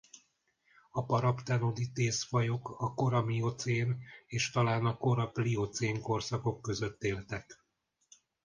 A Paraptenodytes-fajok a kora miocén és talán a kora pliocén korszakok között éltek.